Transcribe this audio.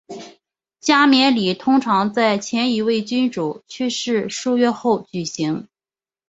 加冕礼通常在前一位君主去世数月后举行。